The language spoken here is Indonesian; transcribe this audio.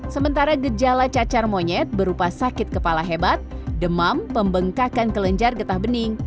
sementara gejala cacar monyet berupa sakit kepala hebat demam pembengkakan kelenjar getah bening